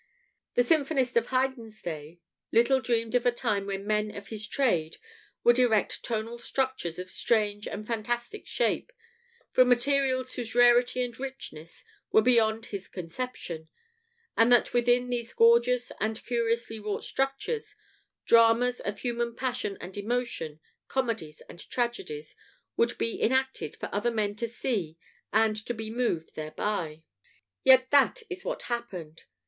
The symphonist of Haydn's day little dreamed of a time when men of his trade would erect tonal structures of strange and fantastic shape, from materials whose rarity and richness were beyond his conception; and that within these gorgeous and curiously wrought structures, dramas of human passion and emotion, comedies and tragedies, would be enacted for other men to see and to be moved thereby. Yet that is what happened.